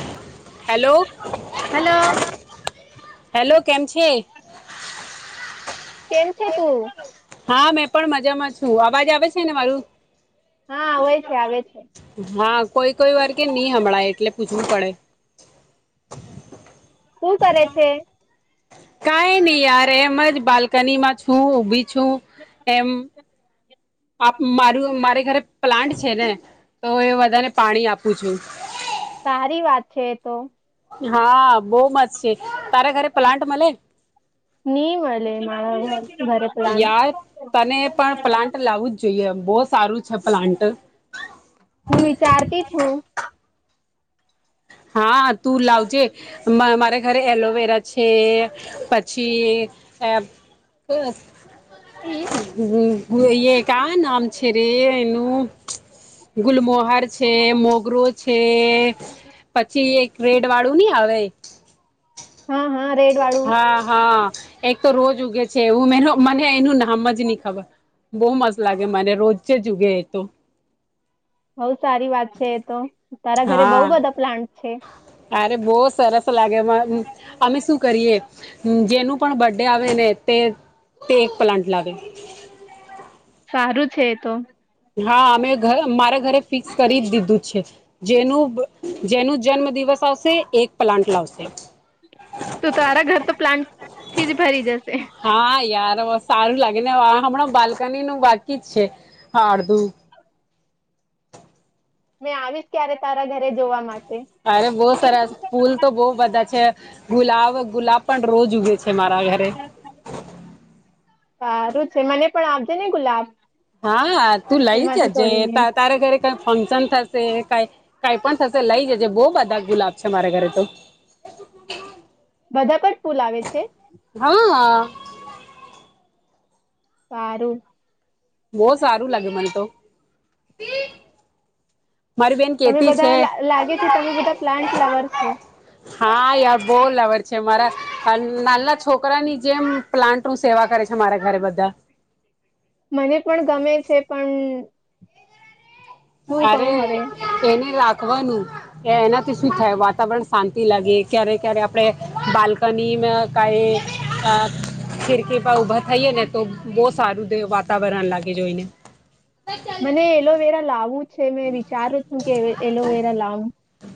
[inaudible] Hello hello hello કેમ છે કેમ છે તું હા મેં પણ મજામાં શું અવાજ આવે છે ને મારું હા આવે આવે છે આવે છે હા કોઈ કોઈ વાર્ કે નહી હમળાય એટલે પૂછવું પડે શું કરે છે કઈ નઈ યાર એમ જ બાલ્કની માં છું ઉભી છું એમ મારું મારે ઘરે પ્લાન્ટ છે ને તો હ એ વધારે પાણી આપું છું સારી વાત છે તો હા બહુ મસ્ છે તારે ઘરે પ્લાન્ટ મલે નહી મલે મારા ધરે પ્લાન્ટ યાર બોસ હું વિચારતી છું હા તું લાવજે મારે ઘરે એલોવેરા છે પછી એ [unintelligible] હુ જોઈએ કા નામ છે રે એનું ગુલમોગ વાર છે મોગરો છે પછી એક રેડ વાળું નહી આવે હા હા રેડ વાળું હા હા એક તો રોજ ઉગે છે છે એવું મને એનું નામ જ નહી ખબર બહુ મસ્ત લાગે મને રોજ જુગે તો બઉ સારી વાત છે એ તો તારા ઘરે બઉુ હા બધા પ્લાન્ટ છે અરે [inaudible] અમે શું કરીએ જેનું પણ બર્ડે આવે ને તે તે એક પ્લાન્ટ લાગાગે સારું છે તો હા અમે મારા ઘરે ફિકસ કરી દીધું છે જેનું જેનું જન્મ દિવસ આવશે એક પ્લાન્ટ લાવશે તો તારા ઘર તો પ્લાન [inaudible] હા યાર સારું લાગે ને હમણાં બાલ્કની નું વા ી છે ફાડ દું મેં આવીશ ક્યારે તારા ઘર અરે બહુ સરારસ પુલ તો બહુ બધા છે ગુલાબ ગુલાબ પણ રોજ ઉગે છે ત મારા ઘરે સારું છે મને પણ આપજે ને ગુલાબ હા તું લઈ એમાંથી જજે તોડીને તારા ઘરે કઈ ફંક્શન થશે કઈ કઈ પણ થશે લઈ જજે બહ બધા ગુલાબ છે મારે ઘરે તો બધા પર પુલ આવે છે હા બારું બહ સારું લાગે મન તો મારી બેન તમે કેતી છે બધા લાગે છે તમે બધા પ્લાન્ટ લવર છો હા યાર બોલ વર મારા નાના છોકરાની જેમ પ્લાન્ટ નું સેવા કરે છે મારા ઘરે બધા મને પણ ગમે છે પણ શું અરે કહું હવે એને રાખવાનું એના [inaudible] થાય વાતાવરણ શાંતિ લાગે ક્યારે ક્યારે આપણે બાલ્કની કઈ ખિર કે પાાવભા થઈએે ને તો બહુ સારું વાતાવરણ લાગે જોઈને મને એલોવેરા લાવું છે મેં વિચારું છું કે એલોવેરા લાવાવ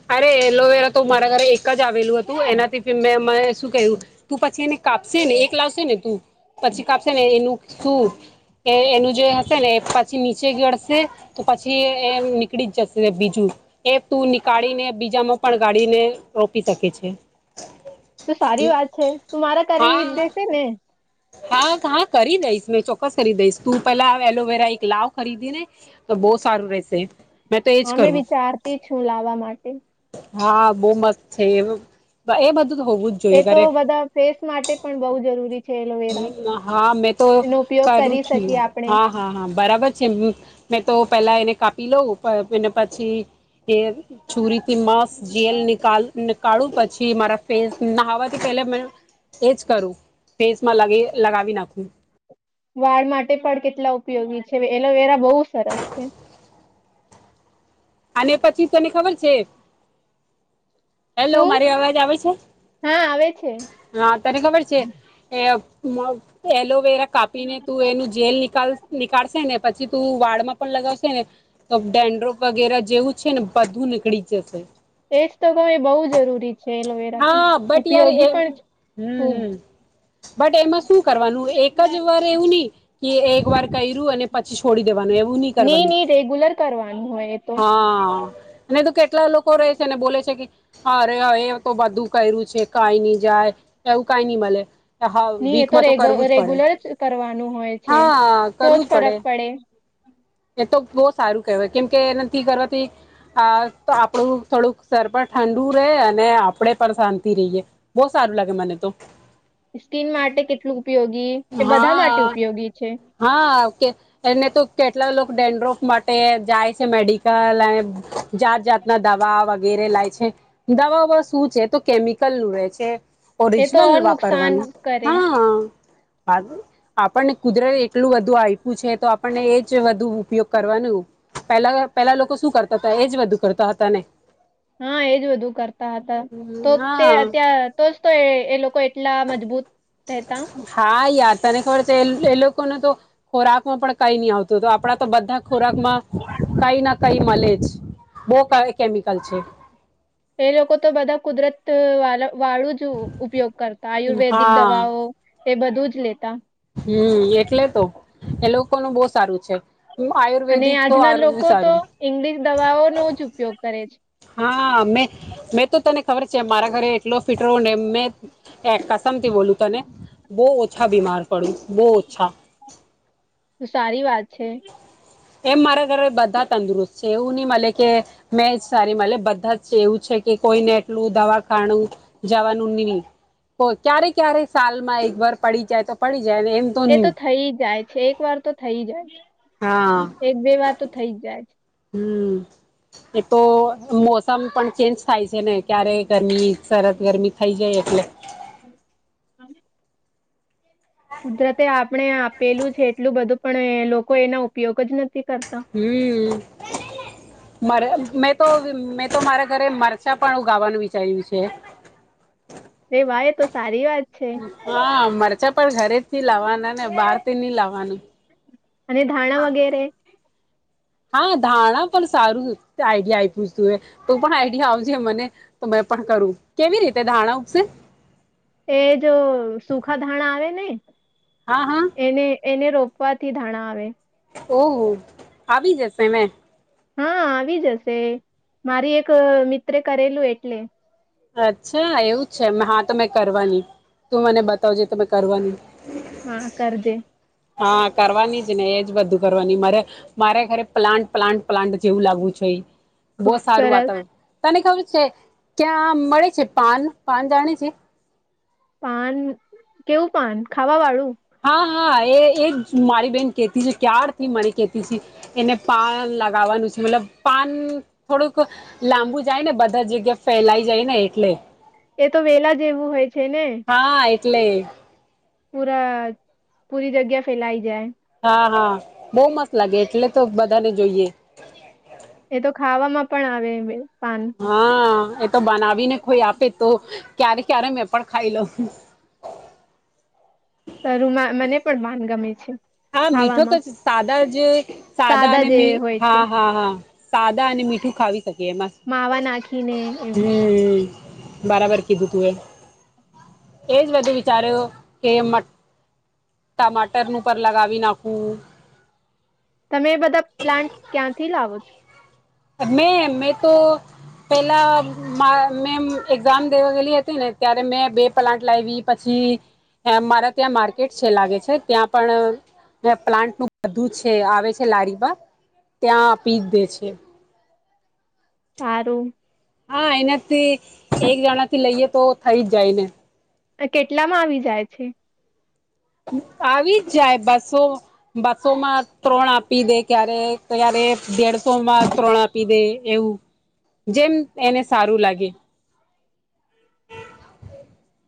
અરે એલોવેરા તો મારા ઘરે એક જ આવેલું હતું એનાથી મેં શું ક્યું તું પછી એને કાપશે ને એક લાવશે ને તું પછી કાપશે ને એનું શું એનું જે હશે ને પછી નીચે ગળશે પછી એ નીકળી જશે બીજું એ તું કાળીને બીજામાં પણ ગાડીને રોપી શકે છે તો સારી વાત છે તું મારા કરી હા દેશે ને હા હા કરી દઈશ મેં ચોક્કસ કરી દઈશ તું પેલા એલોવેરા એક લાવ ખરીદી ને તો બહુ સારું રહેશે મેં તો એજ હમે કરું વિચારતી છું લાવવા માટે હા બહુ મસ્ત છે એ બધું તો હોવું જ એ જોઈએ તો ઘરે બધા ફેસ માટે પણ બહ જરૂરી છે એલોવેરા હ હા મેં તો એનો ઉપયોગ કરું કરી છું શકીએ આપણે હા હા હા બરાબર છે તો પેલા એને કાપી લઉં એને પછી જે છુરી થી મસ જેલ નીાલ નીિકળું પછી મારા ફેસ ન હવા તો કેલા એ જ કરું ફેસમાં લ લગાવી નાખું વાળ માટે પણ કેટલા ઉપયોગી છે એલોવેરા બહુ સરસ છે અને પછી તને ખબર છે હેલો શું મારી અવાજ આવે છે હા આવે છે હા તને ખબર છે એ મગ એલોવેરા કાપીને તું એનું જેલ નીકળશે ને પછી તું વાર્ડ માં પણ લગાવ ને તો ડેન્ડ્રો વગેરે જેવું છે ને બધું નીકળી જશે એજ તો કઉ એ બહુ જરૂરી છે એલોવેરા તો હા બટ યાર ઉપયોગી એ પણ હમ છે ખૂબ હમ બટ એમાં શું કરવાનું એક જ વાર એવું નહીિ કે એક વાર કર્યું અને પછી છોડી દેવાનું એવું નહી ની કરવાનું ની રેગ્યુલર કરવાનું હોય એ તો હા અને તો કે કેટલા લોકો રહે છે ને બોલે છે કે હારે હા એ તો બધું કર્યું છે કાઈ નઈ જાય એવું કાઈ નહીં મલે. ની એ તો રેગ્યુલર જ કરવાનું હોય છે તો જ ફરક પડે. એ તો બહુ સારું કેહવાય કેમ કે એ નથી કરવાથી આ આપણું થોડુંક સર પણ ઠંડુ રે અને આપણેે પણ શાંતિ રહીએ બહુ સારું લાગે મને તો. સ્કીન માટે કેટલું ઉપયોગી એ બધા માટે હા ઉપયોગી છે. હા કે એને તો કેટલા લોકો ડેન્ડ્રોફ માટે જાય છે મેડિકલ અને જાતજાતના દવા વગેરે લાય છે દવાઓ શું છે તો કેમિકલનું રહે છે. એ તો ઓરિજનલ અ નુકસાન વાપરવાના કરે હા. આપણને કુદરત એટલું બધું આપ્યું છે તો આપણને એજ વધુ ઉપયોગ કરવાનું પેહલા પેહલા લોકો શું કરતા હતા એજ બધું કરતા હતા ને! હા એજ બધું કરતા હતા તો તે હા અત્યાં તો તો એ એ લોકો કેટલા મજબૂત રહેતા. હા યાર તને ખબર છે એ લોકોને તો ખોરાકમાં પણ કાઈ નહીં આવતું હતું આપણા તો બધા ખોરાકમાં કઈ ના કઈ મલે જ. બહુ કેમિકલ છે એ લોકો તો બધા કુદરત તો વાલ વાળું જ ઉપયોગ કરતા આયુર્વેદિક દવાઓ. એ બધું જ લેતા. હમ્મ, એટલે તો એ લોકોનું બહુ સારું છે. અને આયુર્વેદિક તો આજના આરું લોકો તો સારું ઈંગ્લિશ દવાઓનો જ ઉપયોગ કરે છે. હા મે મેં તો તને ખબર છે મારા ઘરે કલો ફિટ રહોને મેં એ કસમથી બોલું તને બહુ ઓછા બીમાર પડું બહુ ઓછા તો સારી વાત છે. એમ મારા ઘરે બધા તંદુરસ્ત છે એવું નહીં મલે કે મેં જ સારી મલે બધા જ છે એવું છે કે કોઈને એટલું દવાખાણુ જવાનું નહીં ક્યારે ક્યારે સાલમાં એક વાર પડી જાય તો પડી જાય ને એમ એ નહી તો થઈ જાય છે એક વાર તો થઇ જાય છે. હા એક બે વાર તો થઈ જ જાય. હમ્મ, તો મોસમ પણ ચેન્જ થાય છે ને ક્યારે ગરમી સરત ગરમી થઈ જાય એટલે. [inaudible] કુદરતે આપ ણે આપેલું છે એટલું બધું પણ લોકો એના ઉપયોગ જ નથી કરતા. હમ્મ. મારા મેં તો મેં તો મારા ઘરે મરચાં પણ ઉગાવાનું વિચાર્યું છે. એ વાહ! એ તો સારી વાત છે. પાચ્છા પણ ઘરે થી લાવવાના ને બહાર થી ની લાવવાનું અને ધાણા વગેરે હા ધાણા પણ સારું આઈડિયા [unintelligible] તો પણ આઈડિયા આવજે મને તો મે પણ કરું કેવી રીતે ધાણા ઉપગસે એ જો સુખા ધાણા આવે ને હા હા એને એને રોપવાથી ધાણા આવે ઓહ આવી જશેને હા આવી જશે મારી એક મિત્ર કરેલું એટલે અચ્છા એવું છે હા તો મેં કરવાની તું મને બતાવજે તોમે કરવાની હા કર જે હા કરવાની જ ને એજ બધું કરવાની મારે મારે ઘરે પ્લાન્ટ પ્લાન્ટ પ્લાન્ટ જેવું લાગવું જોઈએ બો ખુબ સારું સરસ વાતાવરણ તને ખબર છે ક્યા મળે છે પાન પાન જાણે છે પાન કેવું પાન ખાવા વાળું હા હા એ એ જ મારી બેહેન કેતી છે ક્યારથી મારી કેતી છે એને પાન લગાવવાનું છે મતલબ પાન થોડુંક લાંબુ જાય ને બધા જગ્યા ફેલાઈ જાય ને એટલે એ તો વેલા જેવું હોય છે ને [unintelligible] પૂરા પૂરી જગ્યા ફેલાઈ જાય હા હા બો મસ્ત લાગે એટલે તો બધાને જોઈએ એ તો ખાવામાં પણ આવે બે હા એ તો બનાવીને કોઈ આપે તો ક્યારે ક્યારે મેં પણ ખાઈ લઉ શુંરુમાં મને પણ પાન ગમે છે હા મીઠો તો ખાવામાં જ સાદા જ સાદા અને જે મીઠ હોય છે હા હા હા સાદા અને મીઠું ખાવી માવા નાખીને [unintelligible] એમ હમ બરાબર કીધું તું એ એજ બધુ વિચાર્યો કે ટમાટરનું ઉપર લગાવી નાખું તમે એ બધા પ્લાન્ટ ક્યાંથી લાવો છો મેમ મેં તો પેલા મે એક્ઝામ દેવા ગયલી હતી ને ત્યારે મેં બે પ્લાન્ટ લાવી પછી મારા ત્યાં માર્કેટ છે લાગે છે ત્યાં પણ પ્લાન્ટનું બધું છે આવે છે લારીમાં ત્યાં આપી દે છે સારું હા એનાથી એક જણા થી લઈએ તો થઈ જ જાયને કેટલામાં આવી જાય છે આવી જાય બસો બસોમાં ત્રણ આપી દે ક્યારે ક્યારે દેડસો સોમા ત્રણ આપી દેય એવું જેમ એને સારું લાગે [inaudible]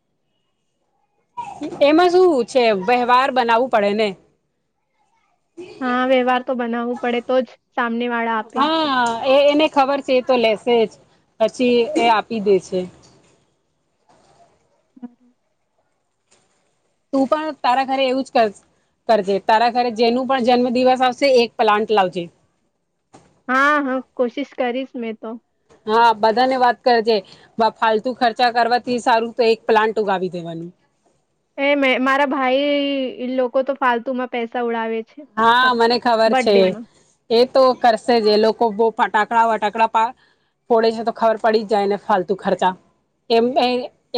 એમાં શું છે વ્યવહાર બનાવવું પડેને હા વ્યવહાર તો બનાવવું પડે તો જ સામને વાળા આપે હા એ એને ખબર છે એ તો લેસે જ પછી એ આપી દે છે હ તું પણ તારા ઘરે એવું જ કરજે તારા ઘરે જેનું પણ જન્મ દિવસ આવશે એક પ્લાન્ટ લાવજે હા હા કોશિશ કરીશ મેં તો હા બધાને વાત કરજે ફાલતુ ખર્ચા કરવાથી સારું તો એક પ્લાન્ટ ઉગાવી દેવાનું એ મે મારા ભાઈ લોકો તો ફાલતુ માં પૈસા ઉડાવે છે હા ફક્ત મને ખબર છે બર્થડેમાં એ તો કરશે જ એ લોકો બહુ ફટાકડા વટાકડા ફોડે છે તો ખબર પડી જાયને ફાલતુ ખર્ચા એમ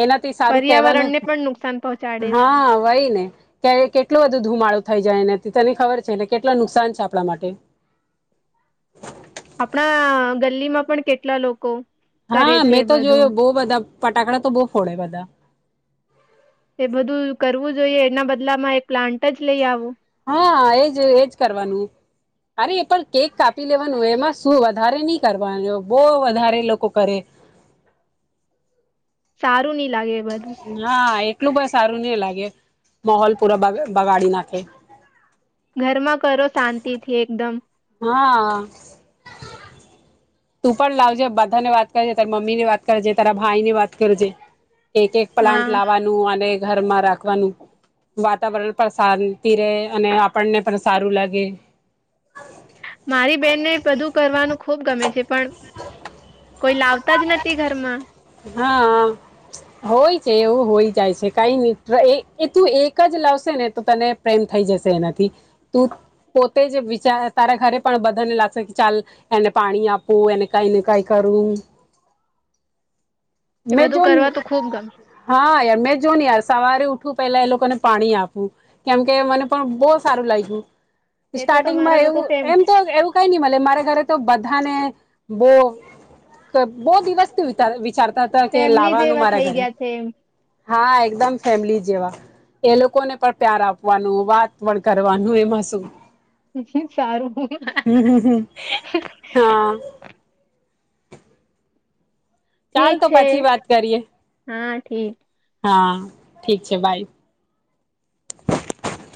એનાથી સારું કેહેવાનું પર્યાવરણને પણ નુકસાન પહોંચાડે છે હા વય ને કે કે એટલો બધું ધુમાળો થઈ જાય એને તને ખબર છે એટલે કેટલા નુકસાન છે આપણા માટે આપણા ગલ્લીમાં પણ કેટલા લોકો કરે હા છે મેં તો બધું જોયોું બહ બધા ફટાકડા તો બહ ફોડે બધા એ બધું કરવું જોઈએ એના બદલામાં એક પ્લાન્ટ જ લઈ આવું [unintelligible] હા એજ એજ કરવાનું અરે એ પણ કેક કાપી લેવાનું એમાં શું વધારે નહી કર વાનું બહ વધારે લોકો કરે સારું લાગે એ બધું હા એટલું બ સારું નહ લાગે માહોલ પૂરા બગાડી નાખે ઘરમાં કરો શાંતિ થી એકદમ હા તું પણ લાવજે બધા ને વાત કરેજે તારીા મમ્મી ની વાત કરેજે તારા ભાઈ ની વાત કરજે એક એક પ્લાન્ટ હા લાવવાનું અને ઘરમાં રાખવાનું વાતાવરણ પણ શાંતિ રહે અને આપણને પણ સારું લા, ગે મારી બેનને બધું કરવાનું ખુબ ગમે છે પણ કોઈ લાવતા જ નથી ઘરમાં હા હોય છે એવું હોય જાય છે કઈ મિત્ર એ તું એક જ લાવશે ને તો તને પ્રેમ થઈ જશે એનાથી તું પોતે જ વિચાર તારા ઘરે પણ બધાને લાગશે કે ચાલ એને પાણી આપું એને કઈ ને કઈ કરું એ મેં બધું જોન કરવા તો ખુબ ગમે હા યાર મેં જોન યાર સવારે ઉઠ ઠું પહેલા એ લોકોને પાણી આપું કેમ કે મને પણ બહુ સારું લાગ્યું એ તો સ્ટાર્ટિંગમાં તમારા લોકો એવું ફેમ એમ તો એવું કઈ નહી મળ મારે ઘરે તો બધાને બો બહ દિવસ થી વિચારે વિ ચારતા હતા કે ફેમિલી લાવવાનું જેવા મારા થઈ ઘરે ગયા છે એમ હા એકદમ ફેમલી જેવા એ લોકોને પણ પ્યાર આપવાનું વાત પણ કરવાનું એમાં શું સારું હમ હમ હમ હા ચાલ તો પછી વાત કરીએ ઠી હા ઠીક છે બાય